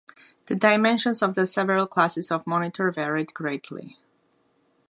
The dimensions of the several classes of monitor varied greatly.